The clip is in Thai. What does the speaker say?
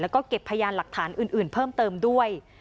แล้วก็เก็บพยานหลักฐานอื่นเพิ่มเติมด้วย